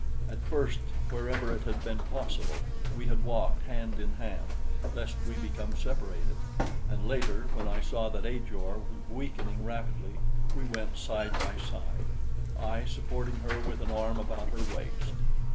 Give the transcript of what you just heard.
At first, wherever it had been possible, we had walked hand in hand lest we become separated, and later, when I saw that Ajor was weakening rapidly, we went side by side, I supporting her with an arm about her waist.